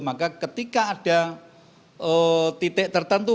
maka ketika ada titik tertentu